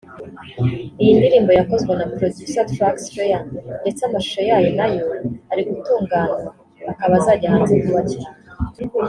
Iyi ndirimbo yakozwe na Producer Track Slayer ndetse amashusho yayo nayo ari gutunganywa akaba azajya hanze vuba cyane